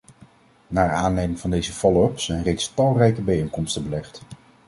Naar aanleiding van deze follow-up zijn reeds talrijke bijeenkomsten belegd.